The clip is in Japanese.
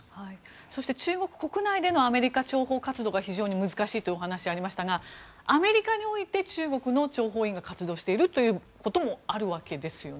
そして、中国国内でのアメリカ諜報活動が非常に難しいというお話がありましたがアメリカにおいて中国の諜報員が活動していることもあるわけですよね。